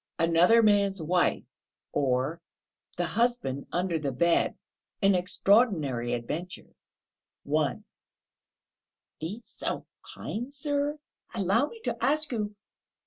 ANOTHER MAN'S WIFE OR THE HUSBAND UNDER THE BED AN EXTRAORDINARY ADVENTURE I "Be so kind, sir ... allow me to ask you...."